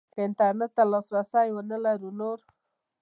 که انترنټ ته لاسرسی ونه لرو نو